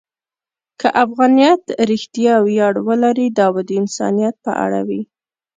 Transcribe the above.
که افغانیت رښتیا ویاړ ولري، دا به د انسانیت په اړه وي.